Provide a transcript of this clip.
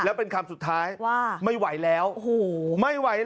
แล้วเป็นคำสุดท้ายว่าไม่ไหวแล้วโอ้โหไม่ไหวแล้ว